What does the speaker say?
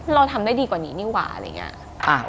เราทำได้ดีกว่านี้นี่หว่าอะไรอย่างนี้